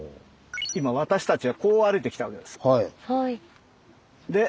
今私たちはこう歩いてきたわけです。